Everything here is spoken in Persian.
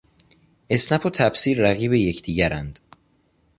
اسنپ و تپسی رقیب یکدیگرند!